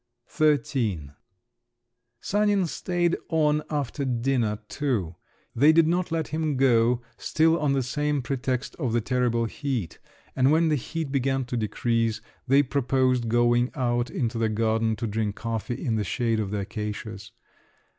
XIII Sanin stayed on after dinner too. They did not let him go, still on the same pretext of the terrible heat; and when the heat began to decrease, they proposed going out into the garden to drink coffee in the shade of the acacias.